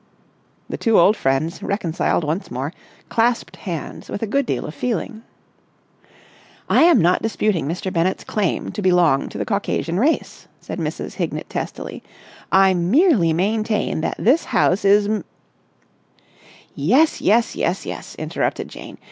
The two old friends, reconciled once more, clasped hands with a good deal of feeling. "I am not disputing Mr. Bennett's claim to belong to the Caucasian race," said Mrs. Hignett testily. "I merely maintain that this house is m...." "Yes, yes, yes, yes!" interrupted Jane.